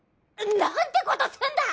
何てことすんだ！？